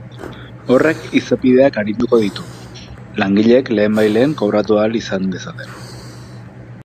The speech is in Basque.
Horrek izapideak arinduko ditu, langileek lehenbailehen kobratu ahal izan dezaten.